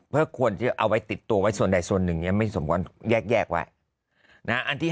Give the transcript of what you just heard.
เพื่อควรจะเอาไว้ติดตัวไว้ส่วนใดส่วนหนึ่งไม่สมควรแยกไว้